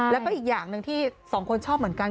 แล้วก็อีกอย่างหนึ่งที่สองคนชอบเหมือนกัน